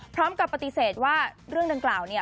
พร้อมกับปฏิเสธว่าเรื่องดังกล่าวเนี่ย